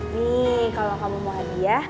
nih kalau kamu mau hadiah